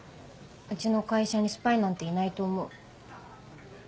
うちの会社にスパイなんていないと思う。